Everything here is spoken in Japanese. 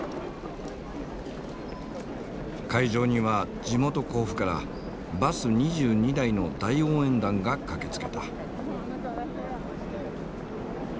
会場には地元甲府からバス２２台の大応援団が駆けつけた。